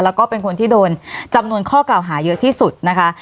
แล้วก็เป็นคนที่โดนจำนวนข้อกล่าวหาเยอะที่สุดนะคะ